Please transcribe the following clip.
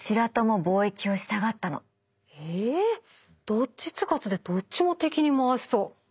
どっちつかずでどっちも敵に回しそう。